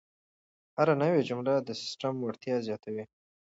هره نوې جمله د سیسټم وړتیا زیاتوي.